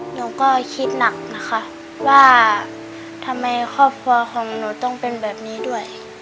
หนูก็คิดหนักนะคะว่าทำไมครอบครัวของหนูต้องเป็นแบบนี้ด้วย